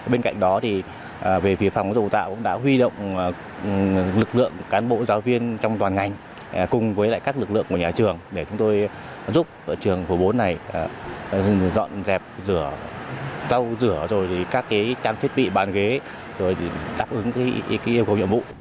bên cạnh đó thì về phía phòng dầu tạo cũng đã huy động lực lượng cán bộ giáo viên trong toàn ngành cùng với lại các lực lượng của nhà trường để chúng tôi giúp trường hồ bốn này dọn dẹp rửa rau rửa rồi thì các cái trang thiết bị bán ghế rồi đáp ứng cái yêu cầu nhiệm vụ